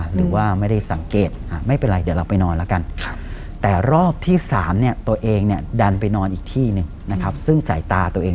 หรือว่าไม่ได้สังเกตไม่เป็นไรเดี๋ยวเราไปนอนแล้วกัน